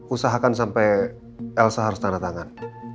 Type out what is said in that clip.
usahakan sampai elsa harus tanda tangan